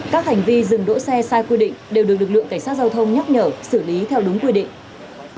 các hành vi dừng đỗ xe sai quy định đều được lực lượng cảnh sát giao thông nhắc nhở xử lý theo đúng quy định